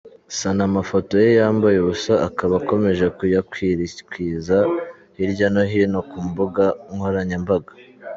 Sunny amafoto ye yambaye ubusa akaba akomeje kuyakwirakwiza hirya no hino ku mbuga nkoranyambaga.